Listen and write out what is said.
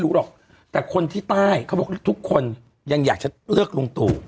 หรอกแต่คนที่ใต้เขาบอกทุกคนยังอยากจะเลือกลุงตู่